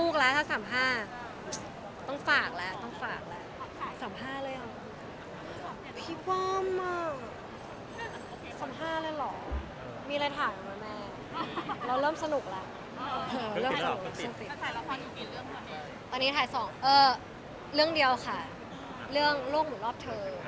ขนาวครับค่ะเรื่องโลกหมู่รอบเทอร์